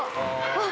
あっ！